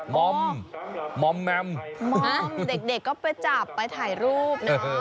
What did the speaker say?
มอมมอมแมมมอมเด็กก็ไปจับไปถ่ายรูปนะ